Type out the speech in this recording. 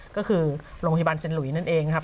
ก็คือโรงพยาบาลเซ็นหลุยนั่นเองครับ